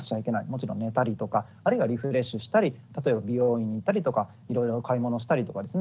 もちろん寝たりとかあるいはリフレッシュしたり例えば美容院に行ったりとかいろいろ買い物したりとかですね